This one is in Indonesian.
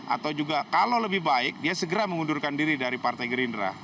atau juga kalau lebih baik dia segera mengundurkan diri dari partai gerindra